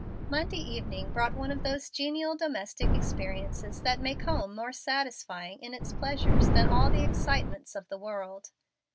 Monday evening brought one of those genial domestic experiences that make home more satisfying in its pleasures than all the excitements of the world.